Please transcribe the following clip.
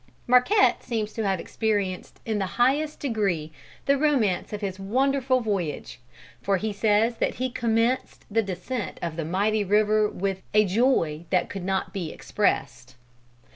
Marquette seems to have experienced in the highest degree the romance of his wonderful voyage, for he says that he commenced the descent of the mighty river with "a joy that could not be expressed."